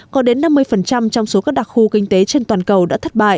có đến năm mươi trong số các đặc khu kinh tế trên toàn cầu đã thất bạ